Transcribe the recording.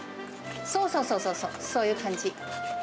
そうそうそうそう、そういう感じ。